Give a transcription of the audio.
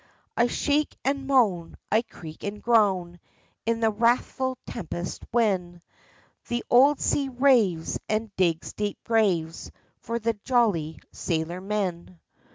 I shake and moan, I creak and groan, In the wrathful tempest when The old sea raves and digs deep graves For the jolly sailor men.